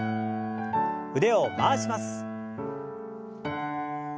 腕を回します。